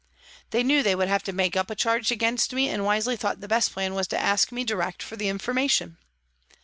" They knew they would have to make up a charge against me, and wisely thought the best plan was to ask me direct for information